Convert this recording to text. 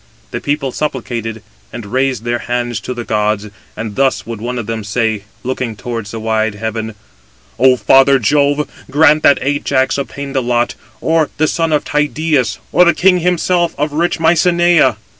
The people supplicated, and raised their hands to the gods, and thus would one of them say, looking towards the wide heaven: "Ο father Jove, grant that Ajax obtain the lot, or the son of Tydeus, or the king himself of rich Mycenæ."